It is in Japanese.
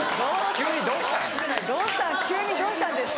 急にどうしたんですか？